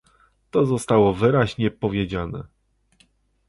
To zostało wyraźnie powiedziane